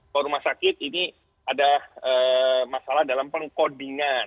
kalau rumah sakit ini ada masalah dalam pengkodingan